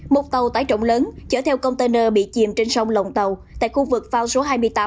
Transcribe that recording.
một tàu tái trọng lớn chở theo container bị chìm trên sông lòng tàu tại khu vực phao số hai nghìn tám trăm ba mươi